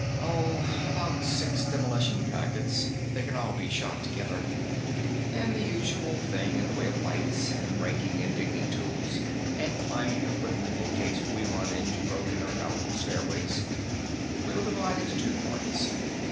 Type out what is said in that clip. "Oh, about six demolition packets; they can all be shot together. And the usual thing in the way of lights, and breaking and digging tools, and climbing equipment in case we run into broken or doubtful stairways. We'll divide into two parties.